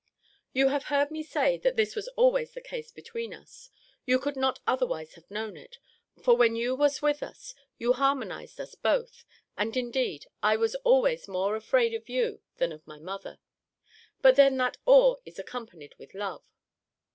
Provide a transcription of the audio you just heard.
You have heard me say, that this was always the case between us. You could not otherwise have known it. For when you was with us, you harmonized us both; and, indeed, I was always more afraid of you than of my mother. But then that awe is accompanied with love.